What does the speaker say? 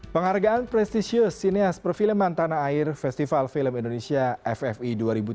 penghargaan prestisius sineas perfilman tanah air festival film indonesia ffi dua ribu tujuh belas